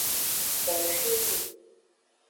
Koxwime.